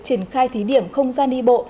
triển khai thí điểm không gian đi bộ